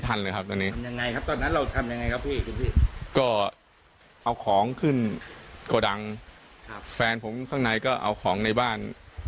ท่านอย่างไรหรอพี่เหดมีก็เอาของขึ้นกระดังแฟนผมข้างในก็เอาของในบ้าน